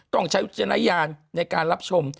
ต้องใช้อุจจนยานในการรับชม